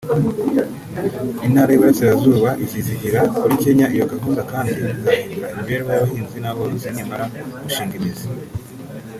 Intara y’Iburasirazuba izizigira kuri Kenya iyo gahunda kandi izahindura imibereho y’abahinzi n’aborozi nimara gushinga imizi